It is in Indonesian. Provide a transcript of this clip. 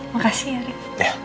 makasih ya rick